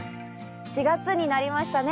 ４月になりましたね。